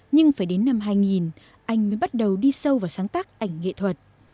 nhưng phải đến năm hai nghìn anh mới bắt đầu đi sâu vào sáng tác ảnh nghệ thuật